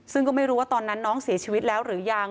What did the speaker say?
ซึ่งก็ไม่รู้ว่าตอนนั้นน้องเสียชีวิตแล้วหรือยัง